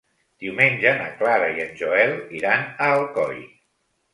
Diumenge na Clara i en Joel iran a Alcoi.